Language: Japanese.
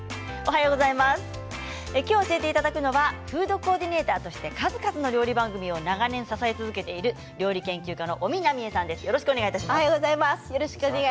今日教えていただくのはフードコーディネーターとして数々の料理番組を長年支え続けている料理研究家の尾身奈美枝さんです。